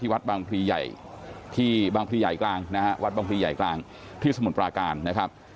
วัดบังพลีใหญ่กลางที่สมุนปลาการนะครับ